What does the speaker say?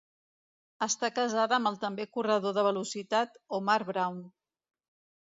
Està casada amb el també corredor de velocitat Omar Brown.